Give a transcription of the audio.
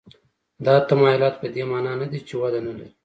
دا تمایلات په دې معنا نه دي چې وده نه لري.